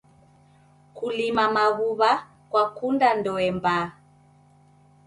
Kulima maghuw'a kwakunda ndoe mbaa.